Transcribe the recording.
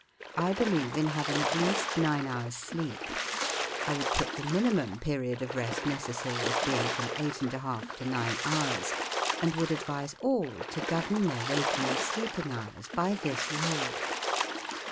I believe in having at least nine hours' sleep. I would put the mini¬ mum period of rest necessary as being from eight and a half to nine hours, and would advise all to govern their waking and sleeping hours by this rule.